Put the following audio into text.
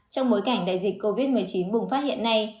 trong bối cảnh đại dịch covid một mươi chín bùng phát hiện nay